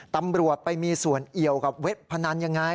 ตำรวจไปมีส่วนเอี่ยวกับเว็บพนันยังไง